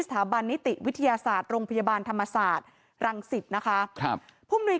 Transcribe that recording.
สถาบันนิติวิทยาศาสตร์โรงพยาบาลธรรมศาสตร์รังศิษฐ์นะคะพรุ่งนี้